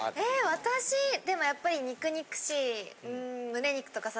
私でもやっぱり。